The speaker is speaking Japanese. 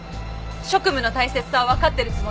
職務の大切さはわかってるつもりです！